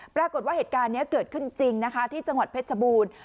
ปรากฏว่าเหตุการณ์นี้เกิดขึ้นจริงนะคะที่จังหวัดเพชรบูรณ์